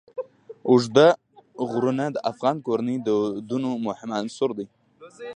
اوږده غرونه د افغان کورنیو د دودونو مهم عنصر دی.